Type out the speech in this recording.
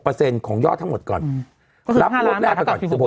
เปอร์เซ็นต์ของยอดทั้งหมดก่อนอืมก็คือห้าล้านบาทหลักกว่าสิบหก